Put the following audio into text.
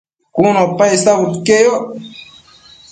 cun opa icsabudquieyoc